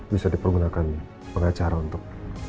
bisa dipergunakan pengacara untuk